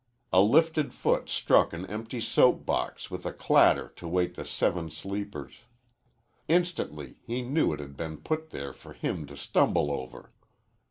A lifted foot struck an empty soap box with a clatter to wake the seven sleepers. Instantly he knew it had been put there for him to stumble over.